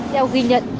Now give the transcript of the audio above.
theo ghi nhận